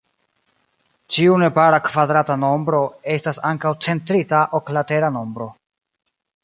Ĉiu nepara kvadrata nombro estas ankaŭ centrita oklatera nombro.